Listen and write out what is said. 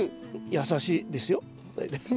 「優しいですよ」。